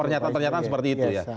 pernyataan pernyataan seperti itu ya